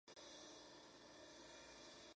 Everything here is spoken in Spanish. En este caso, debe ser señalado en el blasonado.